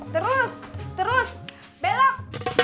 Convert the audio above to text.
terus terus belok